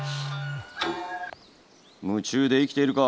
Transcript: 夢中で生きているか？